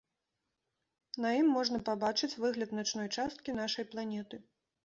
На ім можна пабачыць выгляд начной часткі нашай планеты.